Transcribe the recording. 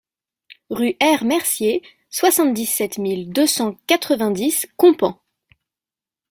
Rue R Mercier, soixante-dix-sept mille deux cent quatre-vingt-dix Compans